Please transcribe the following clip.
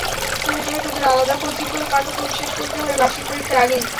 প্রয়োজনে তাদের আলাদা কোচিং করে পাঠ্যক্রম শেষ করতে হবে বার্ষিক পরীক্ষার আগেই।